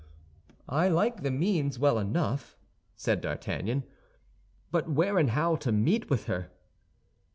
'" "I like the means well enough," said D'Artagnan, "but where and how to meet with her?"